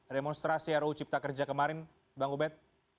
demonstrasi ro cipta kerja kemarin bang obed